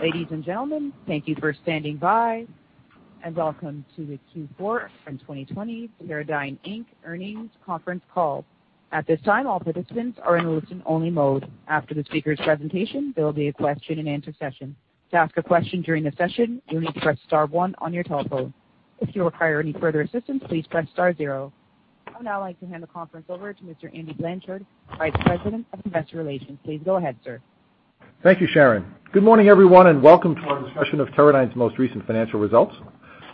Ladies and gentlemen, thank you for standing by and welcome to the Q4 and 2020 Teradyne Inc. earnings conference call. At this time, all participants are in listen-only mode. After the speakers' presentation, there'll be a question and answer session. To ask a question during the session, you will need to press star one on your telephone. If you require any further assistance, please press star zero. I would now like to hand the conference over to Mr. Andy Blanchard, Vice President of Investor Relations. Please go ahead, sir. Thank you, Sharon. Good morning, everyone, and welcome to our discussion of Teradyne's most recent financial results.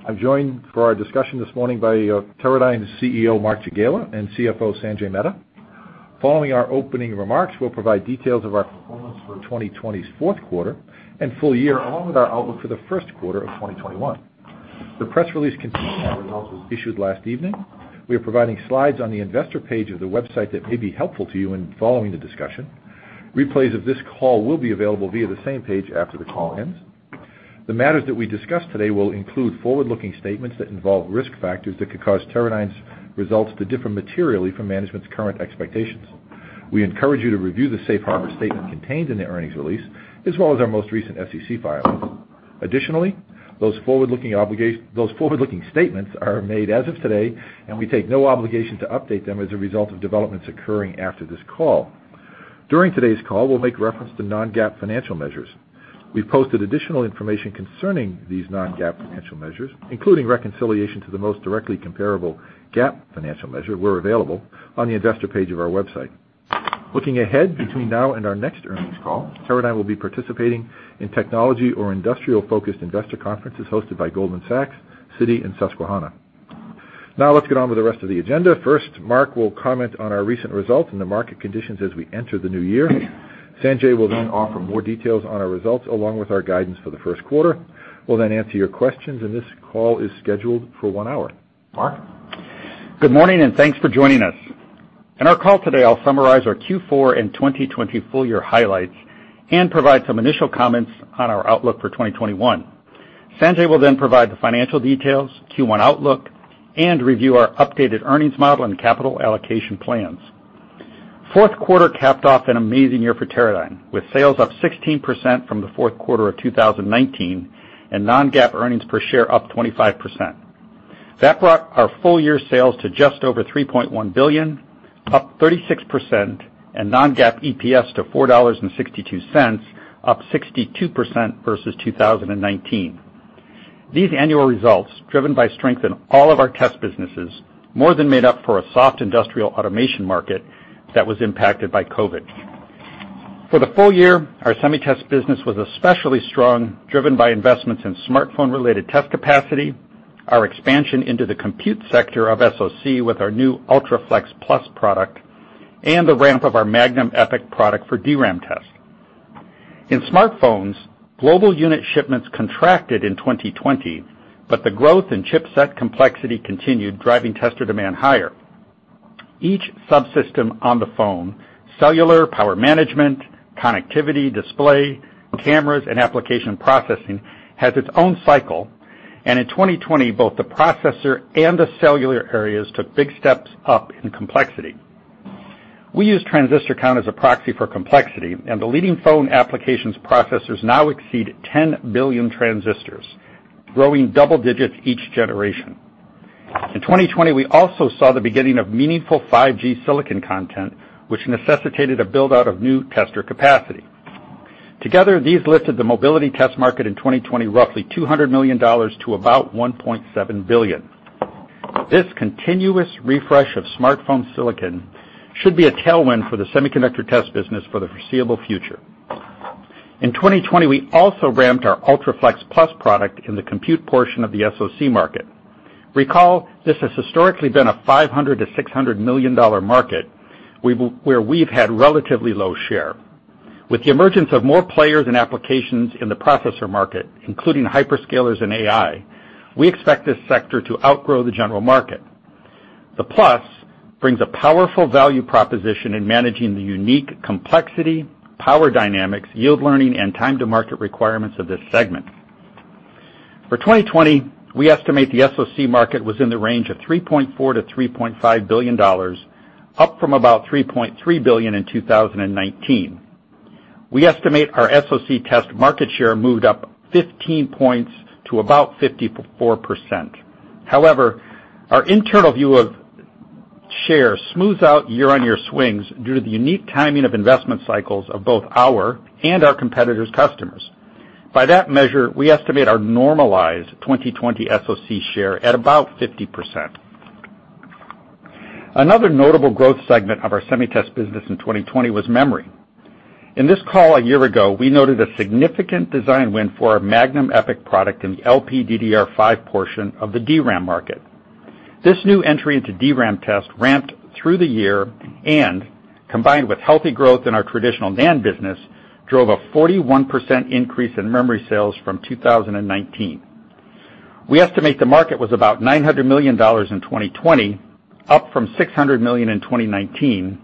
I'm joined for our discussion this morning by Teradyne's CEO, Mark Jagiela, and CFO, Sanjay Mehta. Following our opening remarks, we'll provide details of our performance for 2020's fourth quarter and full year, along with our outlook for the first quarter of 2021. The press release containing that result was issued last evening. We are providing slides on the investor page of the website that may be helpful to you in following the discussion. Replays of this call will be available via the same page after the call ends. The matters that we discuss today will include forward-looking statements that involve risk factors that could cause Teradyne's results to differ materially from management's current expectations. We encourage you to review the safe harbor statement contained in the earnings release, as well as our most recent SEC filings. Those forward-looking statements are made as of today, and we take no obligation to update them as a result of developments occurring after this call. During today's call, we'll make reference to non-GAAP financial measures. We've posted additional information concerning these non-GAAP financial measures, including reconciliation to the most directly comparable GAAP financial measure, where available, on the investor page of our website. Looking ahead, between now and our next earnings call, Teradyne will be participating in technology or industrial-focused investor conferences hosted by Goldman Sachs, Citi, and Susquehanna. Let's get on with the rest of the agenda. First, Mark will comment on our recent results and the market conditions as we enter the new year. Sanjay will then offer more details on our results, along with our guidance for the first quarter. We'll then answer your questions, and this call is scheduled for one hour. Mark? Good morning, and thanks for joining us. In our call today, I'll summarize our Q4 and 2020 full-year highlights and provide some initial comments on our outlook for 2021. Sanjay will provide the financial details, Q1 outlook, and review our updated earnings model and capital allocation plans. Fourth quarter capped off an amazing year for Teradyne, with sales up 16% from the fourth quarter of 2019 and non-GAAP earnings per share up 25%. That brought our full-year sales to just over $3.1 billion, up 36%, and non-GAAP EPS to $4.62, up 62% versus 2019. These annual results, driven by strength in all of our test businesses, more than made up for a soft industrial automation market that was impacted by COVID. For the full year, our SemiTest business was especially strong, driven by investments in smartphone-related test capacity, our expansion into the compute sector of SoC with our new UltraFLEXplus product, and the ramp of our Magnum EPIC product for DRAM test. In smartphones, global unit shipments contracted in 2020, but the growth in chipset complexity continued, driving tester demand higher. Each subsystem on the phone, cellular, power management, connectivity, display, cameras, and application processing, has its own cycle, and in 2020, both the processor and the cellular areas took big steps up in complexity. We use transistor count as a proxy for complexity, and the leading phone applications processors now exceed 10 billion transistors, growing double digits each generation. In 2020, we also saw the beginning of meaningful 5G silicon content, which necessitated a build-out of new tester capacity. Together, these lifted the mobility test market in 2020 roughly $200 million to about $1.7 billion. This continuous refresh of smartphone silicon should be a tailwind for the semiconductor test business for the foreseeable future. In 2020, we also ramped our UltraFLEXplus product in the compute portion of the SoC market. Recall, this has historically been a $500 million-$600 million market, where we've had relatively low share. With the emergence of more players and applications in the processor market, including hyperscalers and AI, we expect this sector to outgrow the general market. The Plus brings a powerful value proposition in managing the unique complexity, power dynamics, yield learning, and time to market requirements of this segment. For 2020, we estimate the SoC market was in the range of $3.4 billion-$3.5 billion, up from about $3.3 billion in 2019. We estimate our SoC test market share moved up 15 points to about 54%. However, our internal view of share smooths out year-on-year swings due to the unique timing of investment cycles of both our and our competitors' customers. By that measure, we estimate our normalized 2020 SoC share at about 50%. Another notable growth segment of our SemiTest business in 2020 was memory. In this call a year ago, we noted a significant design win for our Magnum EPIC product in the LPDDR5 portion of the DRAM market. This new entry into DRAM test ramped through the year and, combined with healthy growth in our traditional NAND business, drove a 41% increase in memory sales from 2019. We estimate the market was about $900 million in 2020, up from $600 million in 2019,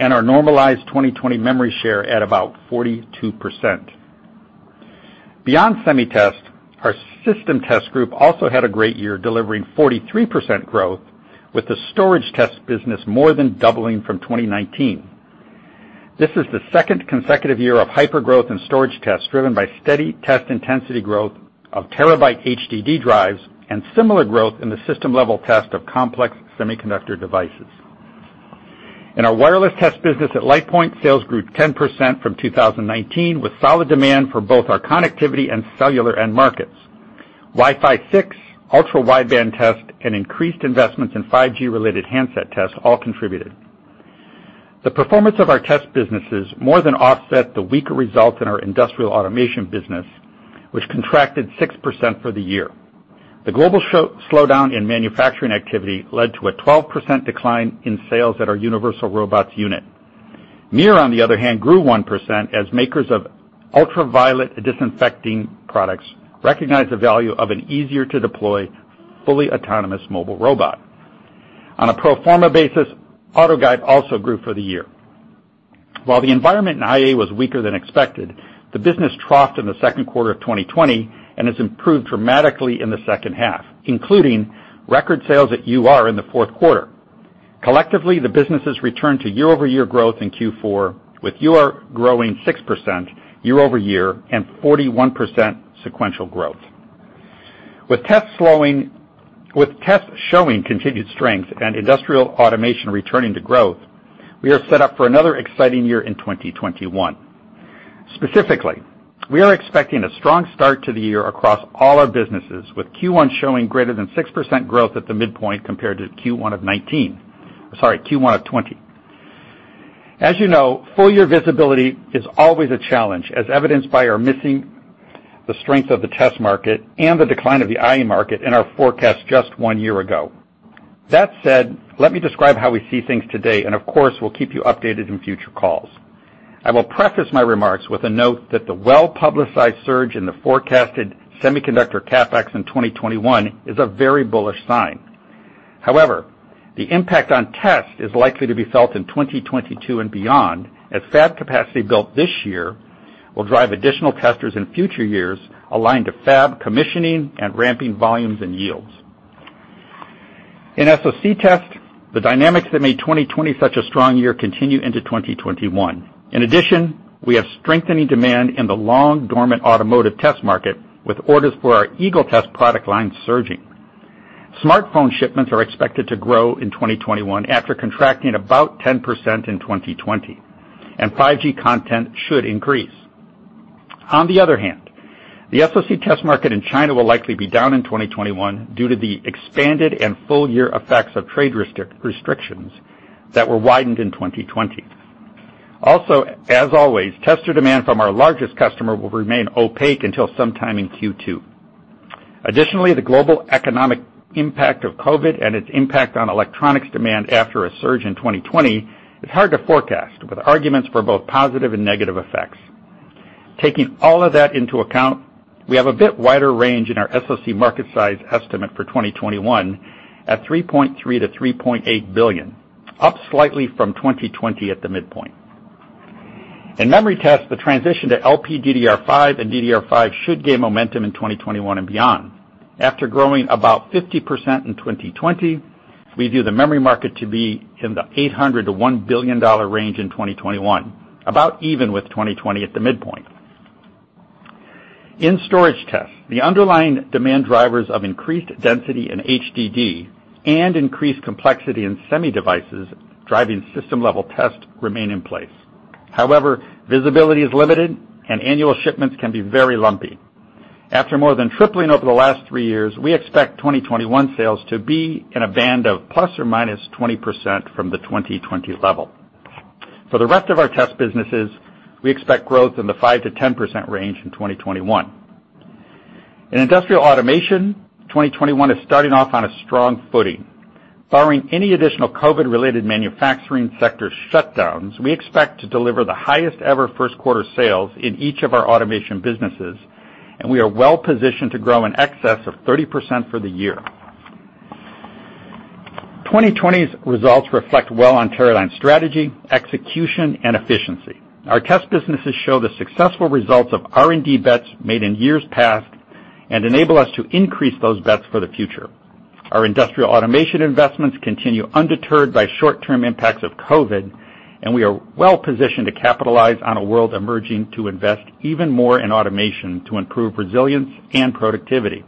and our normalized 2020 memory share at about 42%. Beyond SemiTest, our System Test Group also had a great year delivering 43% growth with the storage test business more than doubling from 2019. This is the second consecutive year of hyper-growth in storage tests driven by steady test intensity growth of terabyte HDD drives and similar growth in the system-level test of complex semiconductor devices. In our wireless test business at LitePoint, sales grew 10% from 2019 with solid demand for both our connectivity and cellular end markets. Wi-Fi 6, ultra-wideband test, and increased investments in 5G-related handset tests all contributed. The performance of our test businesses more than offset the weaker results in our industrial automation business, which contracted 6% for the year. The global slowdown in manufacturing activity led to a 12% decline in sales at our Universal Robots unit. MiR, on the other hand, grew 1% as makers of ultraviolet disinfecting products recognized the value of an easier-to-deploy, fully autonomous mobile robot. On a pro forma basis, AutoGuide also grew for the year. While the environment in IA was weaker than expected, the business troughed in the second quarter of 2020 and has improved dramatically in the second half, including record sales at UR in the fourth quarter. Collectively, the businesses returned to year-over-year growth in Q4, with UR growing 6% year-over-year and 41% sequential growth. With tests showing continued strength and industrial automation returning to growth, we are set up for another exciting year in 2021. Specifically, we are expecting a strong start to the year across all our businesses, with Q1 showing greater than 6% growth at the midpoint compared to Q1 of 2019, sorry, Q1 of 2020. As you know, full-year visibility is always a challenge, as evidenced by our missing the strength of the test market and the decline of the IA market in our forecast just one year ago. That said, let me describe how we see things today and, of course, we'll keep you updated in future calls. I will preface my remarks with a note that the well-publicized surge in the forecasted semiconductor CapEx in 2021 is a very bullish sign. However, the impact on test is likely to be felt in 2022 and beyond, as fab capacity built this year will drive additional testers in future years aligned to fab commissioning and ramping volumes and yields. In SoC test, the dynamics that made 2020 such a strong year continue into 2021. In addition, we have strengthening demand in the long-dormant automotive test market, with orders for our Eagle Test product line surging. Smartphone shipments are expected to grow in 2021 after contracting about 10% in 2020, and 5G content should increase. On the other hand, the SoC test market in China will likely be down in 2021 due to the expanded and full-year effects of trade restrictions that were widened in 2020. As always, tester demand from our largest customer will remain opaque until sometime in Q2. Additionally, the global economic impact of COVID and its impact on electronics demand after a surge in 2020 is hard to forecast, with arguments for both positive and negative effects. Taking all of that into account, we have a bit wider range in our SoC market size estimate for 2021 at $3.3 billion-$3.8 billion, up slightly from 2020 at the midpoint. In memory test, the transition to LPDDR5 and DDR5 should gain momentum in 2021 and beyond. After growing about 50% in 2020, we view the memory market to be in the $800 million-$1 billion range in 2021, about even with 2020 at the midpoint. In storage test, the underlying demand drivers of increased density in HDD and increased complexity in semi devices driving system-level test remain in place. However, visibility is limited, and annual shipments can be very lumpy. After more than tripling over the last three years, we expect 2021 sales to be in a band of ±20% from the 2020 level. For the rest of our test businesses, we expect growth in the 5%-10% range in 2021. In industrial automation, 2021 is starting off on a strong footing. Barring any additional COVID-related manufacturing sector shutdowns, we expect to deliver the highest ever first quarter sales in each of our automation businesses, and we are well-positioned to grow in excess of 30% for the year. 2020's results reflect well on Teradyne's strategy, execution, and efficiency. Our test businesses show the successful results of R&D bets made in years past and enable us to increase those bets for the future. Our industrial automation investments continue undeterred by short-term impacts of COVID, and we are well-positioned to capitalize on a world emerging to invest even more in automation to improve resilience and productivity.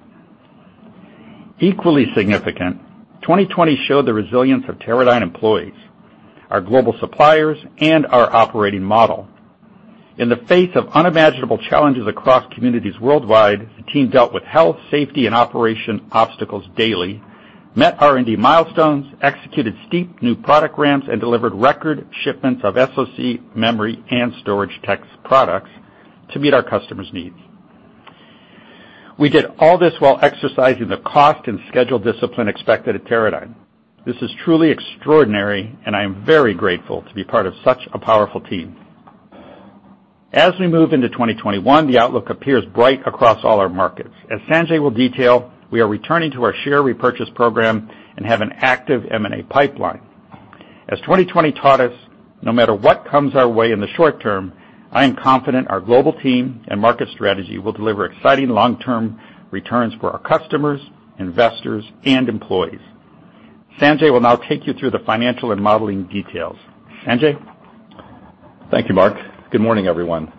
Equally significant, 2020 showed the resilience of Teradyne employees, our global suppliers, and our operating model. In the face of unimaginable challenges across communities worldwide, the team dealt with health, safety, and operation obstacles daily, met R&D milestones, executed steep new product ramps, and delivered record shipments of SoC, memory, and storage test products to meet our customers' needs. We did all this while exercising the cost and schedule discipline expected at Teradyne. This is truly extraordinary, and I am very grateful to be part of such a powerful team. As we move into 2021, the outlook appears bright across all our markets. As Sanjay will detail, we are returning to our share repurchase program and have an active M&A pipeline. As 2020 taught us, no matter what comes our way in the short term, I am confident our global team and market strategy will deliver exciting long-term returns for our customers, investors, and employees. Sanjay will now take you through the financial and modeling details. Sanjay? Thank you, Mark. Good morning, everyone.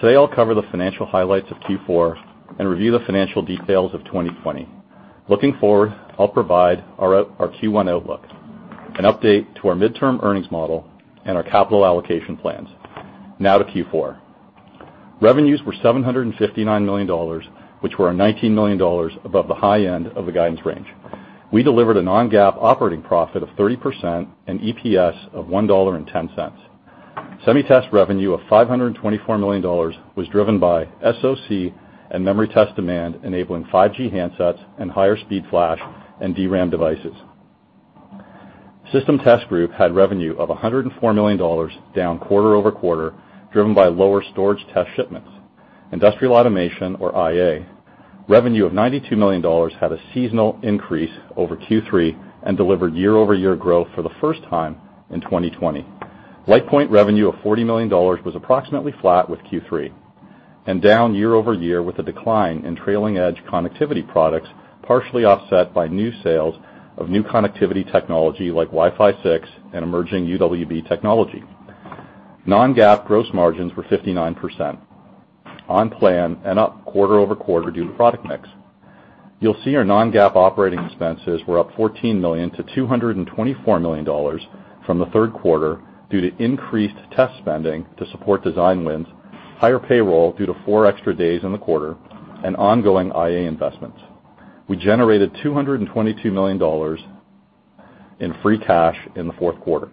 Today, I'll cover the financial highlights of Q4 and review the financial details of 2020. Looking forward, I'll provide our Q1 outlook, an update to our midterm earnings model, and our capital allocation plans. Now to Q4. Revenues were $759 million, which were a $19 million above the high end of the guidance range. We delivered a non-GAAP operating profit of 30% and EPS of $1.10. SemiTest revenue of $524 million was driven by SoC and memory test demand, enabling 5G handsets and higher speed flash and DRAM devices. System Test Group had revenue of $104 million, down quarter-over-quarter, driven by lower storage test shipments. Industrial Automation, or IA, revenue of $92 million had a seasonal increase over Q3 and delivered year-over-year growth for the first time in 2020. LitePoint revenue of $40 million was approximately flat with Q3 and down year-over-year with a decline in trailing edge connectivity products, partially offset by new sales of new connectivity technology like Wi-Fi 6 and emerging UWB technology. Non-GAAP gross margins were 59%, on plan and up quarter-over-quarter due to product mix. You'll see our non-GAAP operating expenses were up $14 million to $224 million from the third quarter due to increased test spending to support design wins, higher payroll due to four extra days in the quarter, and ongoing IA investments. We generated $222 million in free cash in the fourth quarter.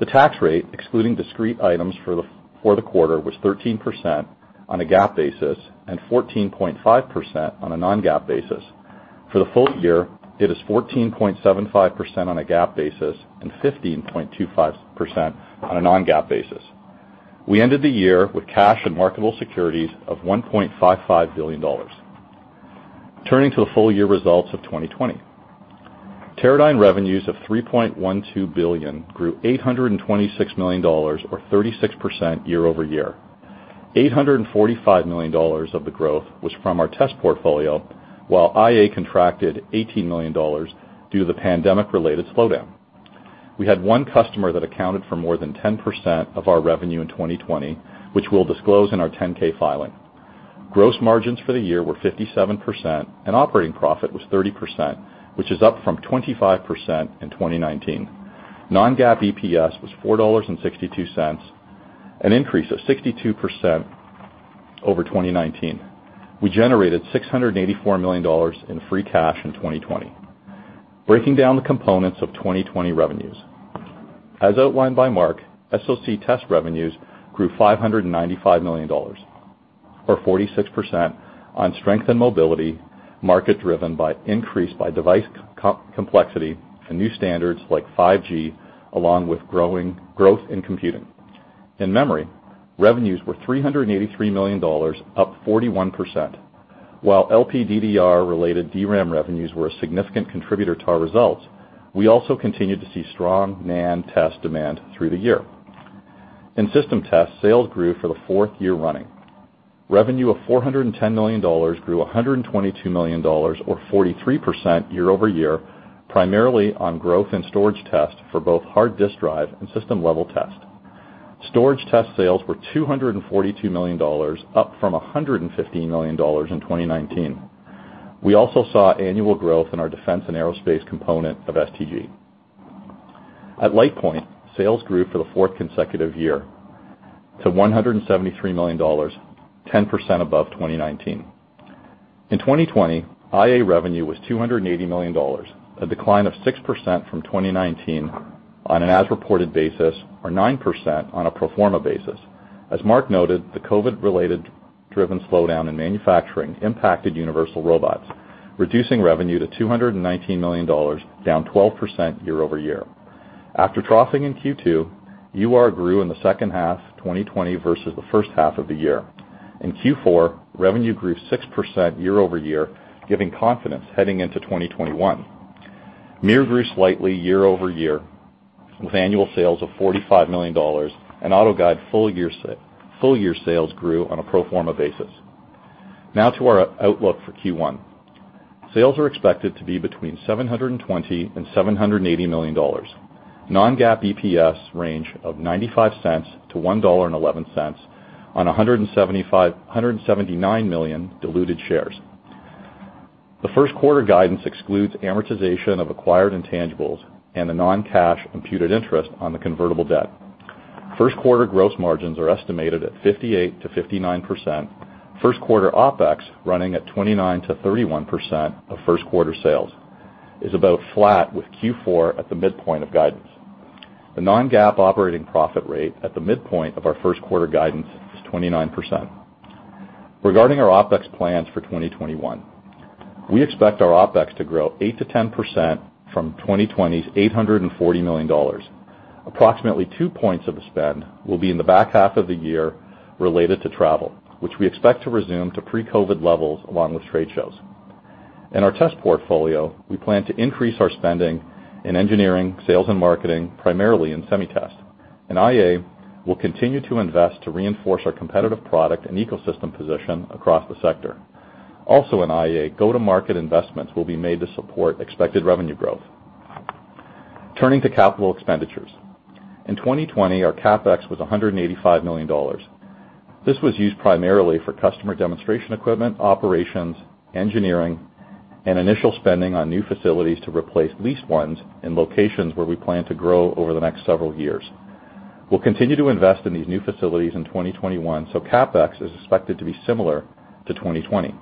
The tax rate, excluding discrete items for the quarter, was 13% on a GAAP basis and 14.5% on a non-GAAP basis. For the full year, it is 14.75% on a GAAP basis and 15.25% on a non-GAAP basis. We ended the year with cash and marketable securities of $1.55 billion. Turning to the full year results of 2020. Teradyne revenues of $3.12 billion grew $826 million or 36% year-over-year. $845 million of the growth was from our test portfolio, while IA contracted $18 million due to the pandemic-related slowdown. We had one customer that accounted for more than 10% of our revenue in 2020, which we'll disclose in our 10-K filing. Gross margins for the year were 57%, and operating profit was 30%, which is up from 25% in 2019. Non-GAAP EPS was $4.62, an increase of 62% over 2019. We generated $684 million in free cash in 2020. Breaking down the components of 2020 revenues. As outlined by Mark, SoC test revenues grew $595 million, or 46%, on strength in mobility, market driven by increase by device complexity and new standards like 5G, along with growth in computing. In memory, revenues were $383 million, up 41%. While LPDDR-related DRAM revenues were a significant contributor to our results, we also continued to see strong NAND test demand through the year. In system tests, sales grew for the fourth year running. Revenue of $410 million grew $122 million, or 43%, year-over-year, primarily on growth in storage test for both hard disk drive and system level test. Storage test sales were $242 million, up from $115 million in 2019. We also saw annual growth in our defense and aerospace component of STG. At LitePoint, sales grew for the fourth consecutive year to $173 million, 10% above 2019. In 2020, IA revenue was $280 million, a decline of 6% from 2019 on an as-reported basis, or 9% on a pro forma basis. As Mark noted, the COVID-related driven slowdown in manufacturing impacted Universal Robots, reducing revenue to $219 million, down 12% year-over-year. After troughing in Q2, UR grew in the second half 2020 versus the first half of the year. In Q4, revenue grew 6% year-over-year, giving confidence heading into 2021. MiR grew slightly year-over-year with annual sales of $45 million, and AutoGuide full-year sales grew on a pro forma basis. Now to our outlook for Q1. Sales are expected to be between $720 and $780 million. non-GAAP EPS range of $0.95-$1.11 on 179 million diluted shares. The first quarter guidance excludes amortization of acquired intangibles and the non-cash imputed interest on the convertible debt. First quarter gross margins are estimated at 58%-59%. First quarter OPEX running at 29%-31% of first quarter sales is about flat with Q4 at the midpoint of guidance. The non-GAAP operating profit rate at the midpoint of our first quarter guidance is 29%. Regarding our OPEX plans for 2021, we expect our OPEX to grow 8%-10% from 2020's $840 million. Approximately two points of the spend will be in the back half of the year related to travel, which we expect to resume to pre-COVID levels along with trade shows. In our test portfolio, we plan to increase our spending in engineering, sales, and marketing, primarily in SemiTest. In IA, we'll continue to invest to reinforce our competitive product and ecosystem position across the sector. Also in IA, go-to-market investments will be made to support expected revenue growth. Turning to capital expenditures. In 2020, our CapEx was $185 million. This was used primarily for customer demonstration equipment, operations, engineering, and initial spending on new facilities to replace leased ones in locations where we plan to grow over the next several years. We'll continue to invest in these new facilities in 2021. CapEx is expected to be similar to 2020.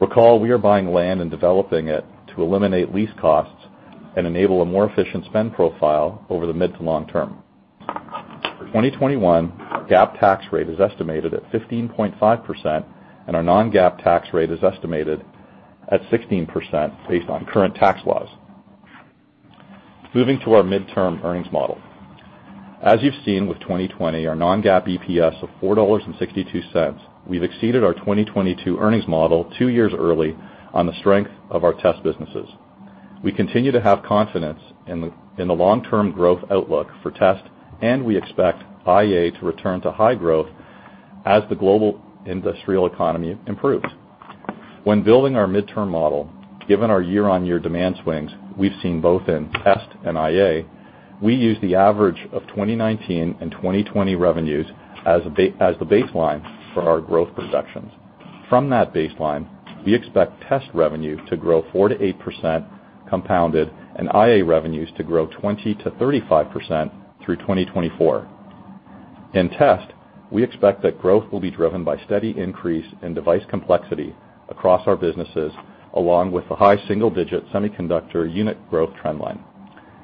Recall, we are buying land and developing it to eliminate lease costs and enable a more efficient spend profile over the mid to long term. For 2021, our GAAP tax rate is estimated at 15.5%, and our non-GAAP tax rate is estimated at 16% based on current tax laws. Moving to our midterm earnings model. As you've seen with 2020, our non-GAAP EPS of $4.62, we've exceeded our 2022 earnings model two years early on the strength of our test businesses. We continue to have confidence in the long-term growth outlook for test, and we expect IA to return to high growth as the global industrial economy improves. When building our midterm model, given our year-on-year demand swings we've seen both in test and IA, we use the average of 2019 and 2020 revenues as the baseline for our growth projections. From that baseline, we expect test revenue to grow 4%-8% compounded and IA revenues to grow 20%-35% through 2024. In test, we expect that growth will be driven by steady increase in device complexity across our businesses, along with the high single-digit semiconductor unit growth trend line.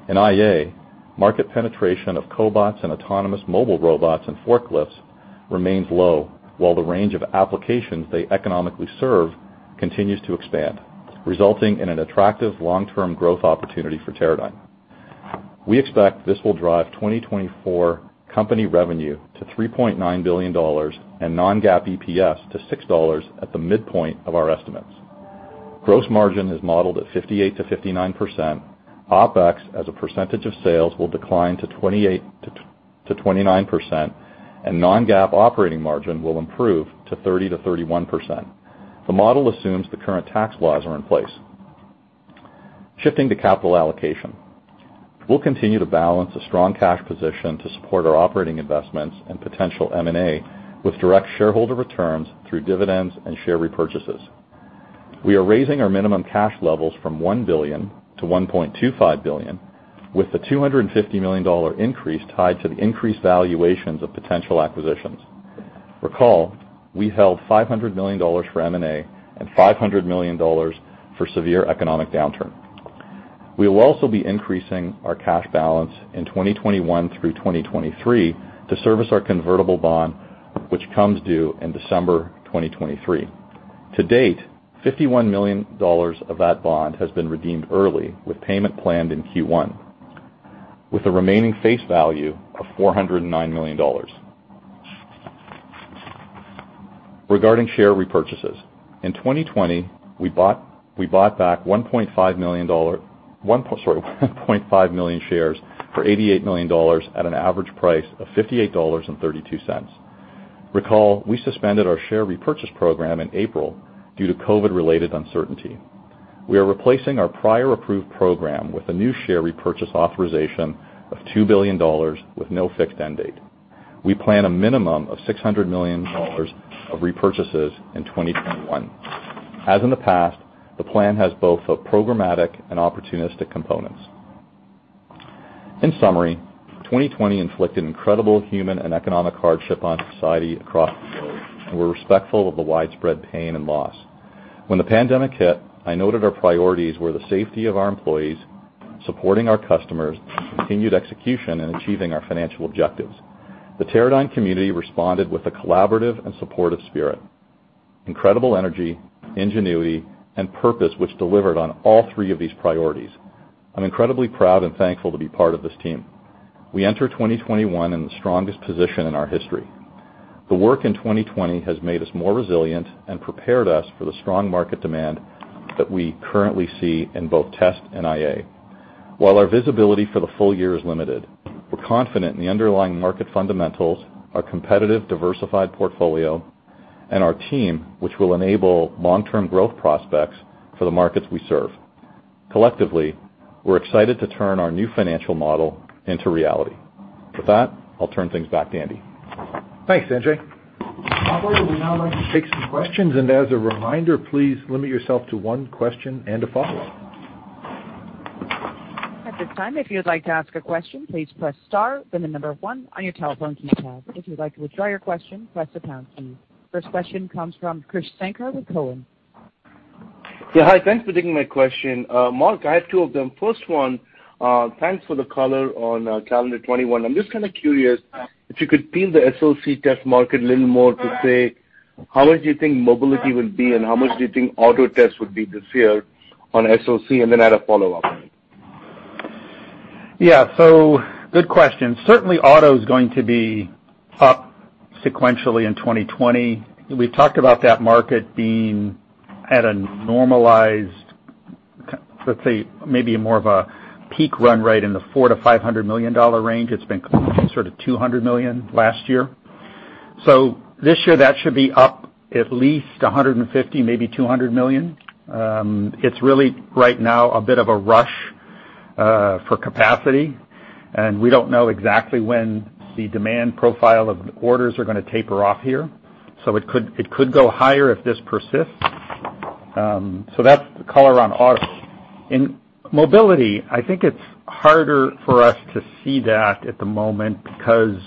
In IA, market penetration of cobots and autonomous mobile robots and forklifts remains low, while the range of applications they economically serve continues to expand, resulting in an attractive long-term growth opportunity for Teradyne. We expect this will drive 2024 company revenue to $3.9 billion and non-GAAP EPS to $6 at the midpoint of our estimates. Gross margin is modeled at 58%-59%. OpEx as a percentage of sales will decline to 28%-29%, and non-GAAP operating margin will improve to 30%-31%. The model assumes the current tax laws are in place. Shifting to capital allocation. We'll continue to balance a strong cash position to support our operating investments and potential M&A with direct shareholder returns through dividends and share repurchases. We are raising our minimum cash levels from $1 billion-$1.25 billion, with the $250 million increase tied to the increased valuations of potential acquisitions. Recall, we held $500 million for M&A and $500 million for severe economic downturn. We will also be increasing our cash balance in 2021 through 2023 to service our convertible bond, which comes due in December 2023. To date, $51 million of that bond has been redeemed early with payment planned in Q1, with a remaining face value of $409 million. Regarding share repurchases, in 2020, we bought back 1.5 million shares for $88 million at an average price of $58.32. Recall, we suspended our share repurchase program in April due to COVID-related uncertainty. We are replacing our prior approved program with a new share repurchase authorization of $2 billion with no fixed end date. We plan a minimum of $600 million of repurchases in 2021. As in the past, the plan has both a programmatic and opportunistic components. In summary, 2020 inflicted incredible human and economic hardship on society across the globe, and we're respectful of the widespread pain and loss. When the pandemic hit, I noted our priorities were the safety of our employees, supporting our customers, and continued execution in achieving our financial objectives. The Teradyne community responded with a collaborative and supportive spirit, incredible energy, ingenuity, and purpose, which delivered on all three of these priorities. I'm incredibly proud and thankful to be part of this team. We enter 2021 in the strongest position in our history. The work in 2020 has made us more resilient and prepared us for the strong market demand that we currently see in both test and IA. While our visibility for the full year is limited, we're confident in the underlying market fundamentals, our competitive, diversified portfolio, and our team, which will enable long-term growth prospects for the markets we serve. Collectively, we're excited to turn our new financial model into reality. With that, I'll turn things back to Andy. Thanks, Sanjay. Operator, we'd now like to take some questions, and as a reminder, please limit yourself to one question and a follow-up. At this time, if you'd like to ask a question, please press star then number one on your telephone next to you. If you'd like to withdraw your question, press pound key. First question comes from Krish Sankar with Cowen. Yeah. Hi, thanks for taking my question. Mark, I have two of them. First one, thanks for the color on calendar 2021. I'm just kind of curious if you could peel the SoC test market a little more to say how much do you think mobility will be and how much do you think auto test would be this year on SoC? I had a follow-up. Yeah. Good question. Certainly, auto's going to be up sequentially in 2020. We've talked about that market being at a normalized, let's say, maybe more of a peak run rate in the $400 million-$500 million range. It's been sort of $200 million last year. This year, that should be up at least $150 million, maybe $200 million. It's really, right now, a bit of a rush for capacity, and we don't know exactly when the demand profile of orders are going to taper off here. It could go higher if this persists. That's the color on auto. In mobility, I think it's harder for us to see that at the moment because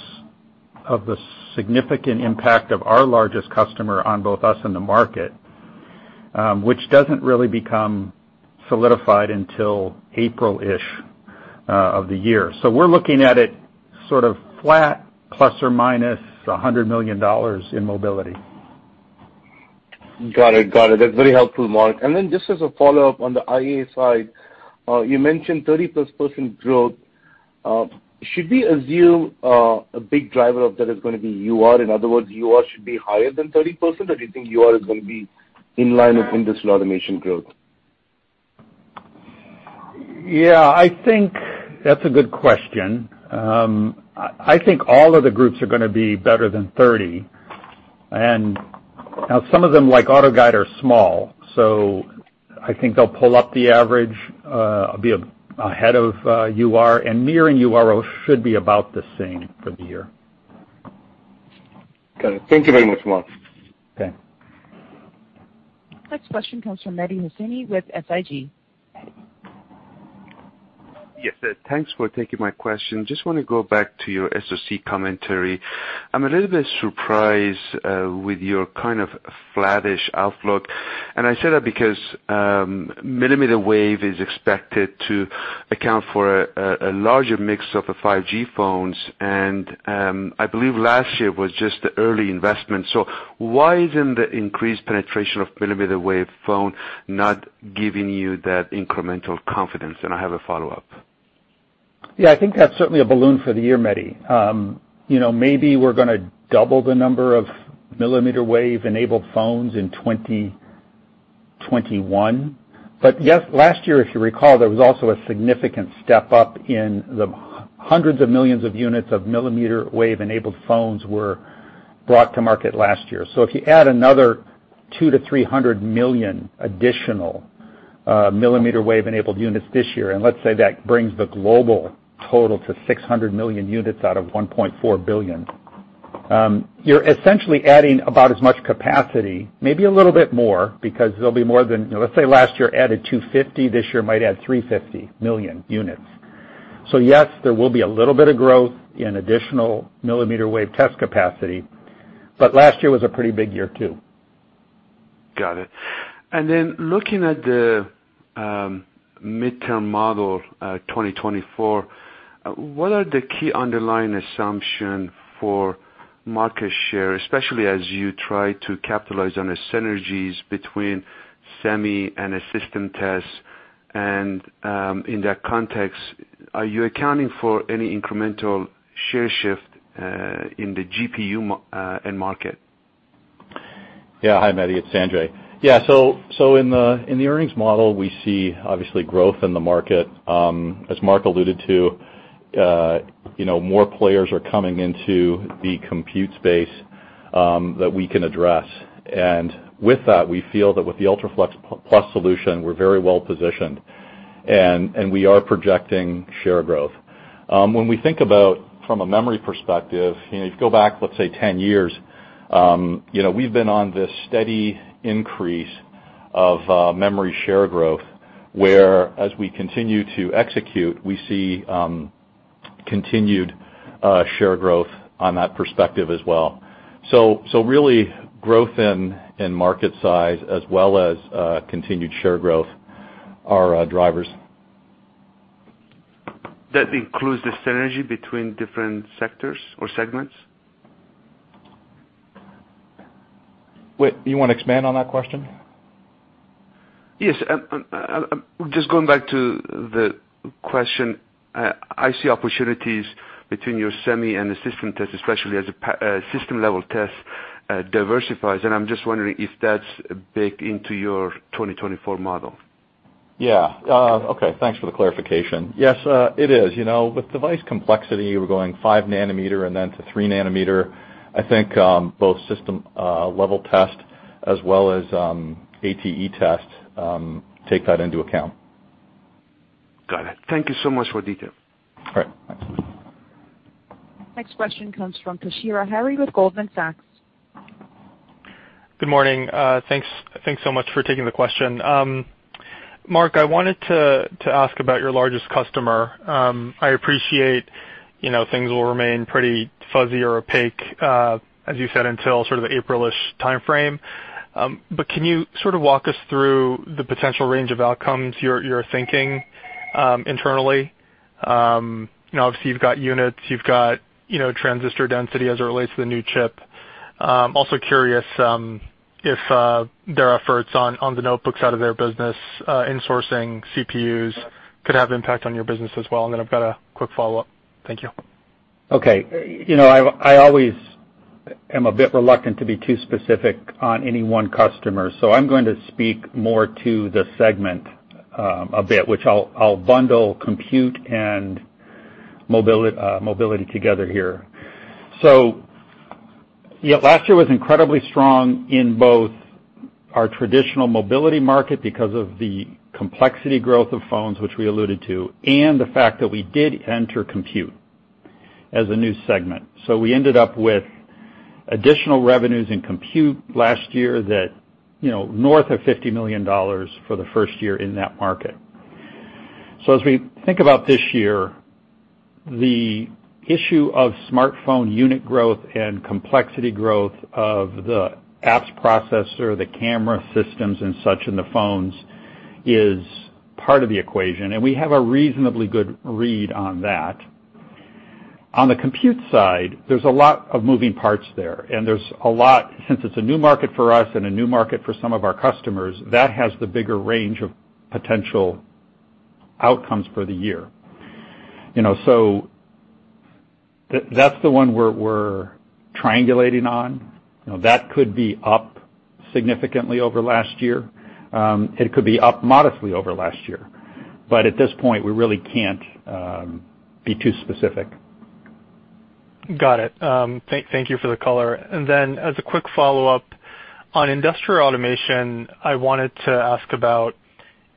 of the significant impact of our largest customer on both us and the market, which doesn't really become solidified until April-ish of the year. We're looking at it sort of flat, ±$100 million in mobility. Got it. That's very helpful, Mark. Just as a follow-up on the IA side, you mentioned 30%± growth. Should we assume a big driver of that is going to be UR? In other words, UR should be higher than 30%, or do you think UR is going to be in line with industrial automation growth? I think that's a good question. I think all of the groups are going to be better than 30, and now some of them, like AutoGuide, are small, so I think they'll pull up the average, be ahead of UR. MiR and UR should be about the same for the year. Got it. Thank you very much, Mark. Okay. Next question comes from Mehdi Hosseini with SIG. Mehdi. Yes. Thanks for taking my question. Just want to go back to your SoC commentary. I'm a little bit surprised with your kind of flattish outlook. I say that because millimeter wave is expected to account for a larger mix of the 5G phones. I believe last year was just the early investment. Why then the increased penetration of millimeter wave phone not giving you that incremental confidence? I have a follow-up. Yeah, I think that's certainly a balloon for the year, Mehdi. Maybe we're going to double the number of millimeter wave-enabled phones in 2021. Last year, if you recall, there was also a significant step up in the hundreds of millions of units of millimeter wave-enabled phones were brought to market last year. If you add another 200 million-300 million additional millimeter wave-enabled units this year, and let's say that brings the global total to 600 million units out of 1.4 billion, you're essentially adding about as much capacity, maybe a little bit more, because last year added 250, this year might add 350 million units. Yes, there will be a little bit of growth in additional millimeter wave test capacity. Last year was a pretty big year, too. Got it. Looking at the midterm model 2024, what are the key underlying assumptions for market share, especially as you try to capitalize on the synergies between Semi and System Test? In that context, are you accounting for any incremental share shift in the GPU end market? Yeah. Hi, Mehdi, it's Sanjay. In the earnings model, we see obviously growth in the market. As Mark alluded to, more players are coming into the compute space that we can address. With that, we feel that with the UltraFLEXplus solution, we're very well positioned, and we are projecting share growth. When we think about from a memory perspective, if you go back, let's say, 10 years, we've been on this steady increase of memory share growth, where as we continue to execute, we see continued share growth on that perspective as well. Really, growth in market size as well as continued share growth are our drivers. That includes the synergy between different sectors or segments? Wait, you want to expand on that question? Yes. Just going back to the question, I see opportunities between your SemiTest and the System Test Group, especially as system level test diversifies, and I'm just wondering if that's baked into your 2024 model. Yeah. Okay. Thanks for the clarification. Yes, it is. With device complexity, we're going five nanometer and then to three nanometer. I think both system level test as well as ATE test take that into account. Got it. Thank you so much for detail. All right. Thanks. Next question comes from Toshiya Hari with Goldman Sachs. Good morning. Thanks so much for taking the question. Mark, I wanted to ask about your largest customer. I appreciate things will remain pretty fuzzy or opaque, as you said, until sort of the April-ish timeframe. Can you sort of walk us through the potential range of outcomes you're thinking internally? Obviously, you've got units, you've got transistor density as it relates to the new chip. I'm also curious if their efforts on the notebooks out of their business, insourcing CPUs could have impact on your business as well. I've got a quick follow-up. Thank you. Okay. I always am a bit reluctant to be too specific on any one customer. I'm going to speak more to the segment a bit, which I'll bundle compute and mobility together here. Yeah, last year was incredibly strong in both our traditional mobility market because of the complexity growth of phones, which we alluded to, and the fact that we did enter compute as a new segment. We ended up with additional revenues in compute last year that, north of $50 million for the first year in that market. As we think about this year, the issue of smartphone unit growth and complexity growth of the apps processor, the camera systems and such in the phones is part of the equation, and we have a reasonably good read on that. On the compute side, there's a lot of moving parts there, and there's a lot, since it's a new market for us and a new market for some of our customers, that has the bigger range of potential outcomes for the year. That's the one we're triangulating on. That could be up significantly over last year. It could be up modestly over last year. At this point, we really can't be too specific. Got it. Thank you for the color. Then as a quick follow-up, on industrial automation, I wanted to ask about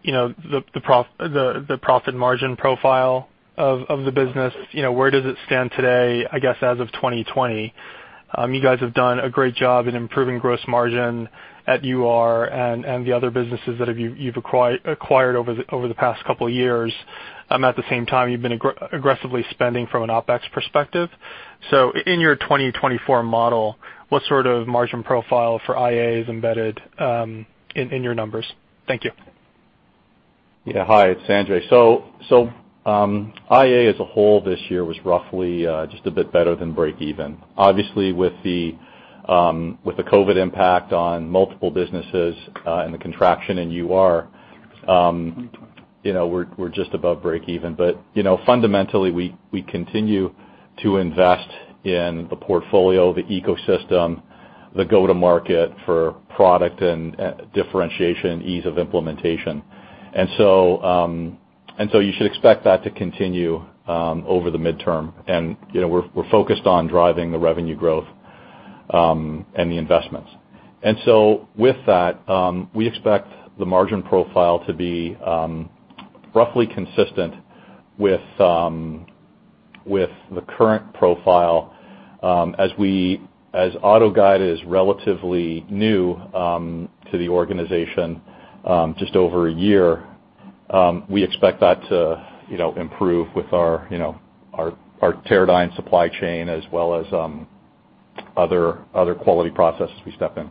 the profit margin profile of the business. Where does it stand today, I guess, as of 2020? You guys have done a great job in improving gross margin at UR and the other businesses that you've acquired over the past couple of years. At the same time, you've been aggressively spending from an OpEx perspective. In your 2024 model, what sort of margin profile for IA is embedded in your numbers? Thank you. Hi, it's Sanjay. IA as a whole this year was roughly just a bit better than break even. Obviously, with the COVID impact on multiple businesses, and the contraction in UR, we're just above break even. Fundamentally, we continue to invest in the portfolio, the ecosystem, the go-to-market for product and differentiation, ease of implementation. You should expect that to continue over the midterm, and we're focused on driving the revenue growth, and the investments. With that, we expect the margin profile to be roughly consistent with the current profile. As AutoGuide is relatively new to the organization, just over a year, we expect that to improve with our Teradyne supply chain as well as other quality processes we step in.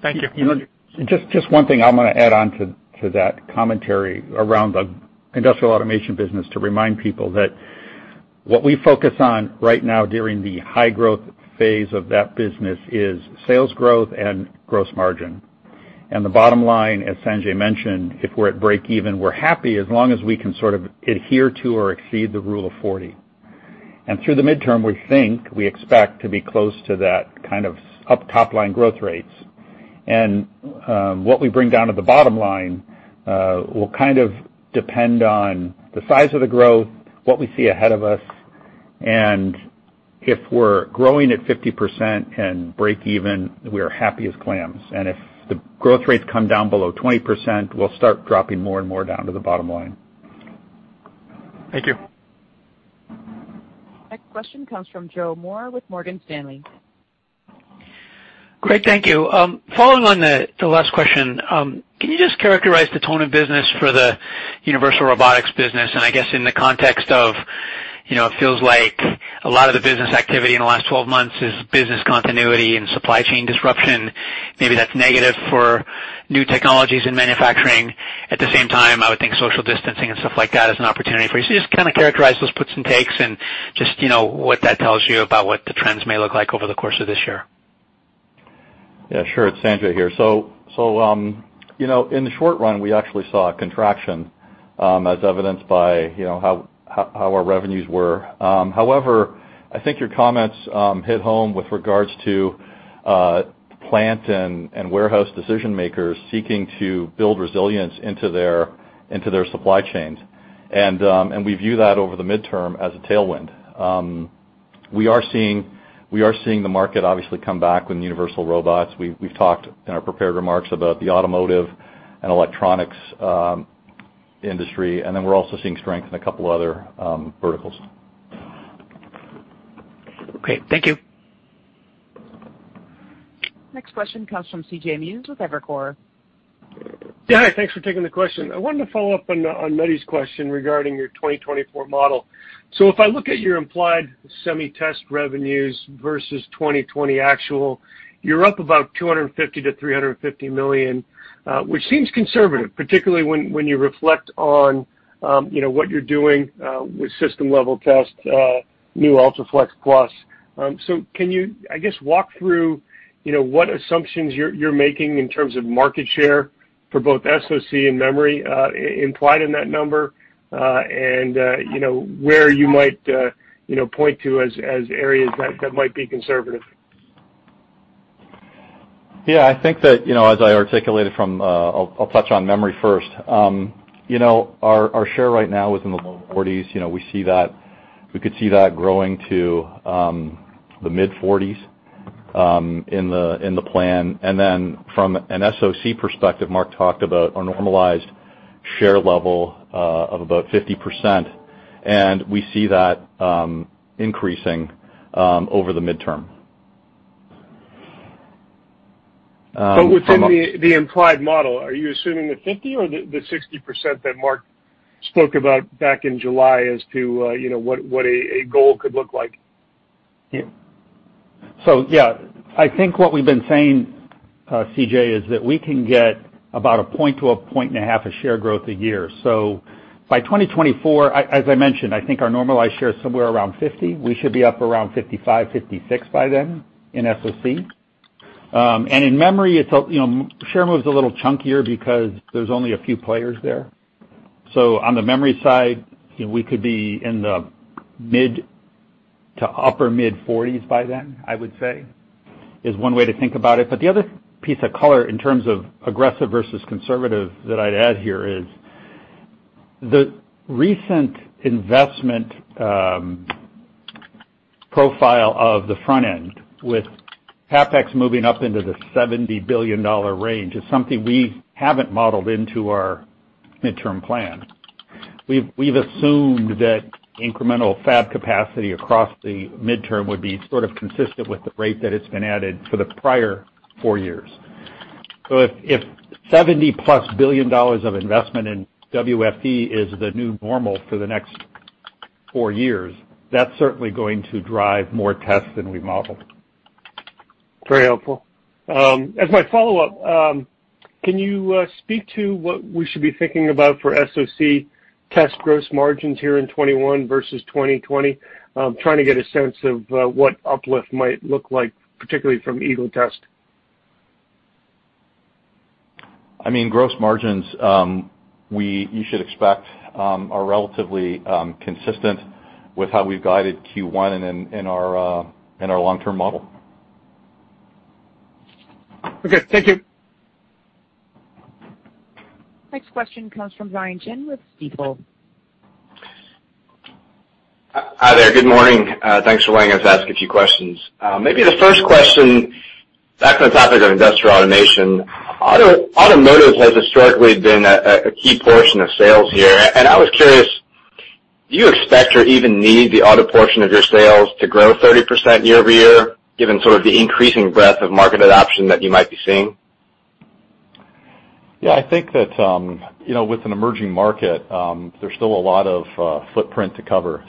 Thank you. Just one thing I'm going to add on to that commentary around the industrial automation business to remind people that what we focus on right now during the high growth phase of that business is sales growth and gross margin. The bottom line, as Sanjay mentioned, if we're at break even, we're happy as long as we can sort of adhere to or exceed the Rule of 40. Through the midterm, we think we expect to be close to that kind of up top line growth rates. What we bring down to the bottom line, will kind of depend on the size of the growth, what we see ahead of us, and if we're growing at 50% and break even, we are happy as clams. If the growth rates come down below 20%, we'll start dropping more and more down to the bottom line. Thank you. Next question comes from Joe Moore with Morgan Stanley. Great. Thank you. Following on the last question, can you just characterize the tone of business for the Universal Robots business, I guess in the context of, it feels like a lot of the business activity in the last 12 months is business continuity and supply chain disruption. Maybe that's negative for new technologies in manufacturing. At the same time, I would think social distancing and stuff like that is an opportunity for you. Just kind of characterize those puts and takes and just what that tells you about what the trends may look like over the course of this year. Yeah, sure. It's Sanjay here. In the short run, we actually saw a contraction, as evidenced by how our revenues were. However, I think your comments hit home with regards to plant and warehouse decision-makers seeking to build resilience into their supply chains. We view that over the midterm as a tailwind. We are seeing the market obviously come back with Universal Robots. We've talked in our prepared remarks about the automotive and electronics industry, and then we're also seeing strength in a couple other verticals. Okay. Thank you. Next question comes from C.J. Muse with Evercore. Yeah. Hi. Thanks for taking the question. I wanted to follow up on Mehdi's question regarding your 2024 model. If I look at your implied SemiTest revenues versus 2020 actual, you're up about $250 million-$350 million, which seems conservative, particularly when you reflect on what you're doing with system level tests, new UltraFLEXplus. Can you, I guess, walk through what assumptions you're making in terms of market share for both SoC and memory implied in that number, and where you might point to as areas that might be conservative? Yeah, I think that as I articulated, I'll touch on memory first. Our share right now is in the low 40s. We could see that growing to the mid-40s in the plan. From an SoC perspective, Mark talked about our normalized share level of about 50%, and we see that increasing over the midterm. Within the implied model, are you assuming the 50% or the 60% that Mark spoke about back in July as to what a goal could look like? Yeah, I think what we've been saying, C.J., is that we can get about a point to a point and a half of share growth a year. By 2024, as I mentioned, I think our normalized share is somewhere around 50%. We should be up around 55%, 56% by then in SoC. In memory, share moves a little chunkier because there's only a few players there. On the memory side, we could be in the mid to upper mid-40s by then, I would say, is one way to think about it. The other piece of color in terms of aggressive versus conservative that I'd add here is, the recent investment profile of the front end with CapEx moving up into the $70 billion range is something we haven't modeled into our midterm plan. We've assumed that incremental fab capacity across the midterm would be sort of consistent with the rate that it's been added for the prior four years. If $70+ billion of investment in WFE is the new normal for the next four years, that's certainly going to drive more tests than we modeled. Very helpful. As my follow-up, can you speak to what we should be thinking about for SoC test gross margins here in 2021 versus 2020? I'm trying to get a sense of what uplift might look like, particularly from Eagle Test. I mean, gross margins, you should expect, are relatively consistent with how we've guided Q1 and in our long-term model. Okay. Thank you. Next question comes from Brian Chin with Stifel. Hi there. Good morning. Thanks for letting us ask a few questions. Maybe the first question, back on the topic of industrial automation. Automotive has historically been a key portion of sales here, and I was curious, do you expect or even need the auto portion of your sales to grow 30% year-over-year, given sort of the increasing breadth of market adoption that you might be seeing? Yeah, I think that with an emerging market, there's still a lot of footprint to cover.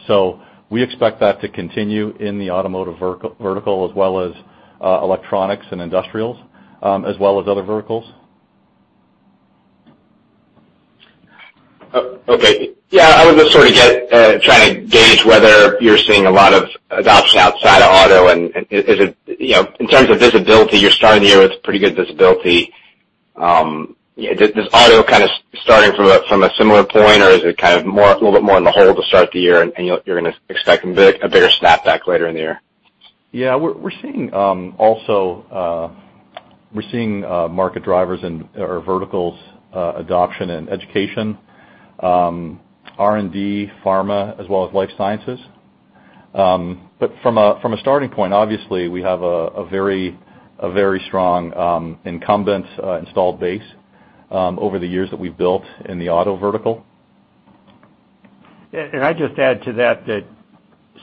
We expect that to continue in the automotive vertical as well as electronics and industrials, as well as other verticals. Okay. Yeah, I was just sort of trying to gauge whether you're seeing a lot of adoption outside of auto. In terms of visibility, you're starting the year with pretty good visibility. Does auto kind of starting from a similar point, or is it kind of a little bit more in the hole to start the year, and you're going to expect a bigger snapback later in the year? Yeah, we're seeing market drivers in our verticals adoption and education, R&D, pharma, as well as life sciences. From a starting point, obviously, we have a very strong incumbent installed base over the years that we've built in the auto vertical. I'd just add to that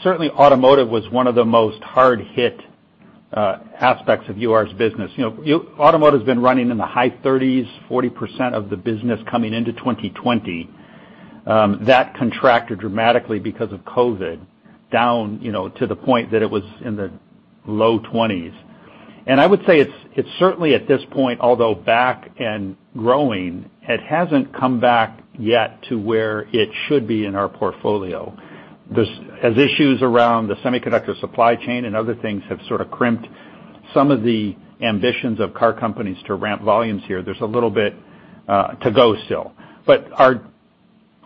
certainly automotive was one of the most hard-hit aspects of UR's business. Automotive's been running in the high 30s, 40% of the business coming into 2020. That contracted dramatically because of COVID, down to the point that it was in the low 20s. I would say it's certainly, at this point, although back and growing, it hasn't come back yet to where it should be in our portfolio. As issues around the semiconductor supply chain and other things have sort of crimped some of the ambitions of car companies to ramp volumes here, there's a little bit to go still. Our